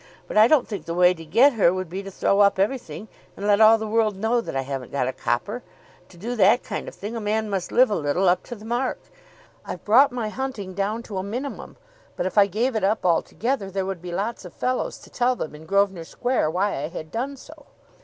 But I don't think the way to get her would be to throw up everything and let all the world know that I haven't got a copper. To do that kind of thing a man must live a little up to the mark. I've brought my hunting down to a minimum, but if I gave it up altogether there would be lots of fellows to tell them in Grosvenor Square why I had done so."